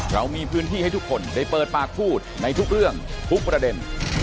เรามีพื้นที่ให้ทุกคนได้เปิดปากพูดในทุกเรื่องทุกประเด็น